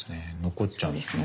残っちゃうんですね。